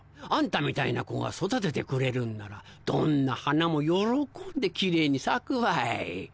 あんたみたいな子が育ててくれるんならどんな花も喜んでキレイに咲くわい。